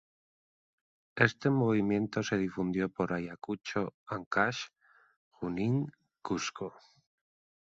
Este movimiento se difundió por Ayacucho, Ancash, Junín, Cusco.